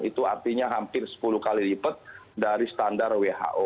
itu artinya hampir sepuluh kali lipat dari standar who